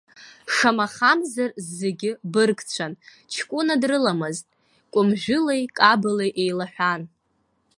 Шамахамзар зегь быргцәан, ҷкәына дрыламызт, кәымжәылеи кабалеи еилаҳәан.